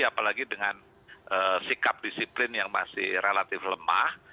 apalagi dengan sikap disiplin yang masih relatif lemah